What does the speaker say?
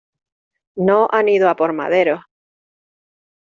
no han ido a por maderos.